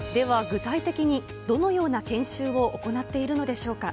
具体的にどのような研修を行っているのでしょうか。